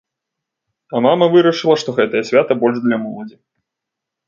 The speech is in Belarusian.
А мама вырашыла, што гэтае свята больш для моладзі.